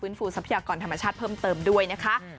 ฟูทรัพยากรธรรมชาติเพิ่มเติมด้วยนะคะ